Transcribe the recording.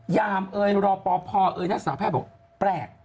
ยามเอยรอปภเอ่ยนักศึกษาแพทย์บอกแปลก